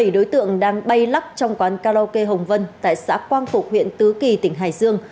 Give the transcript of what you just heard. bảy đối tượng đang bay lắc trong quán karaoke hồng vân tại xã quang phục huyện tứ kỳ tỉnh hải dương